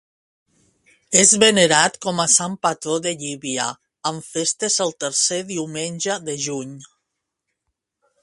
És venerat com a sant patró de Llívia, amb festes el tercer diumenge de juny.